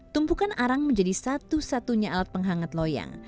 tumpukan arang menjadi satu satunya alat penghangat loyang